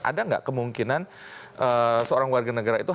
ada nggak kemungkinan seorang warga negara itu